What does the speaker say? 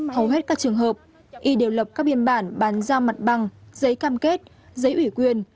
hầu hết các trường hợp y đều lập các biên bản bàn giao mặt bằng giấy cam kết giấy ủy quyền